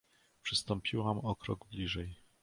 "Przystąpiłam o krok bliżej."